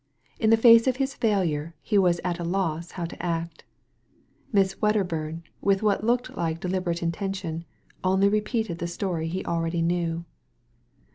In the face of his failure he was at a loss how to act Miss Wedderbum, with what looked like deliberate intention, only repeated the story he already knew.